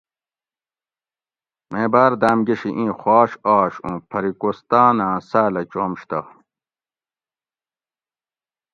میں باۤر داۤم گۤشی اِیں خواش آش اُوں پھری کوستاۤن آۤں ساۤلہ چومش تہ